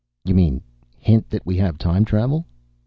"You mean hint that we have time travel?"